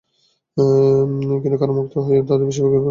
কিন্তু কারামুক্ত হয়ে তাঁদের বেশির ভাগই আবার একই কাজে জড়িয়ে পড়েন।